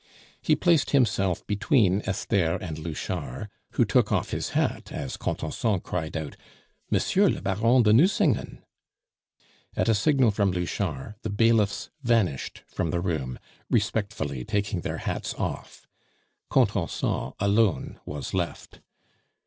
He placed himself between Esther and Louchard, who took off his hat as Contenson cried out, "Monsieur le Baron de Nucingen." At a signal from Louchard the bailiffs vanished from the room, respectfully taking their hats off. Contenson alone was left.